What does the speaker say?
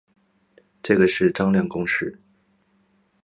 这是个张量公式。